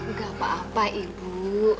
gak apa apa ibu